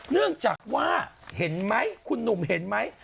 เนื่องจากว่าเห็นไหมคุณหนุ่มเห็นไหม